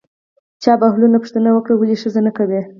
چا بهلول نه پوښتنه وکړه ولې ښځه نه کوې.